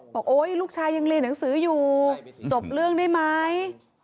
โอ๊ยลูกชายยังเรียนหนังสืออยู่จบเรื่องได้ไหม